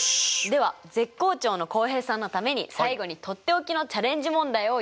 では絶好調の浩平さんのために最後にとっておきのチャレンジ問題を用意しました。